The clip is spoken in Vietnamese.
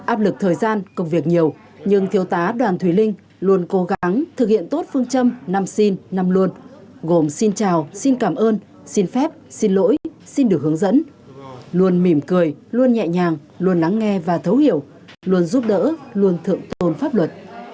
áp lực thời gian công việc nhiều nhưng thiếu tá đoàn thùy linh luôn cố gắng thực hiện tốt phương châm năm xin năm luôn gồm xin chào xin cảm ơn xin phép xin lỗi xin được hướng dẫn luôn mỉm cười luôn nhẹ nhàng luôn lắng nghe và thấu hiểu luôn giúp đỡ luôn thượng tôn pháp luật